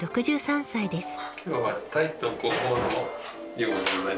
６３歳です。